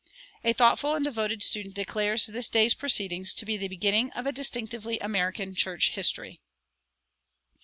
A thoughtful and devoted student declares this day's proceedings to be "the beginning of a distinctively American church history."